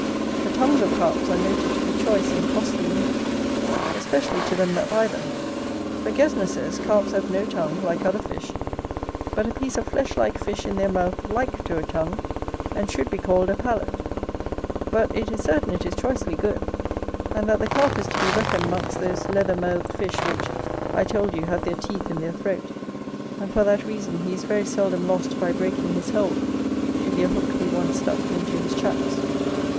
The tongues of Carps are noted to be choice and costly meat, especially to them that buy them: but Gesner says, Carps have no tongue like other fish, but a piece of fleshlike fish in their mouth like to a tongue, and should be called a palate: but it is certain it is choicely good, and that the Carp is to be reckoned amongst those leather mouthed fish which, I told you, have their teeth in their throat; and for that reason he is very seldom lost by breaking his hold, if your hook be once stuck into his chaps.